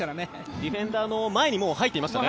ディフェンダーの前に入っていましたね。